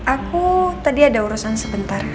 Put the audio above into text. aku tadi ada urusan sebentar